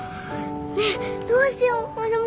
ねえどうしようマルモ。